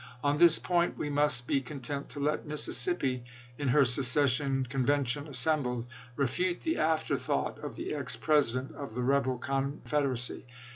On this point we must be content to let Mississippi, in her secession convention assembled, refute the afterthought of the ex President of the rebel Con federacy.